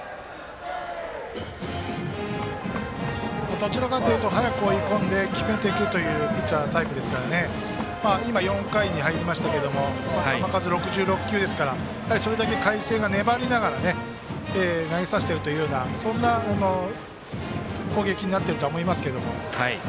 どちらかというと早く追い込んで決めていくというピッチャータイプですから今、４回に入りましたけど球数６６球ですからそれだけ、海星が粘りながら投げさせてるというようなそんな攻撃になっていると思います。